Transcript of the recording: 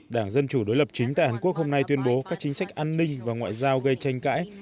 đảng dân chủ đối lập chính tại hàn quốc hôm nay tuyên bố các chính sách an ninh và ngoại giao gây tranh cãi